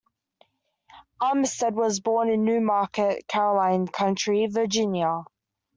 Armistead was born in Newmarket, Caroline County, Virginia.